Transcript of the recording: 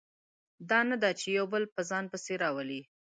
دا نه ده چې یو بل په ځان پسې راولي.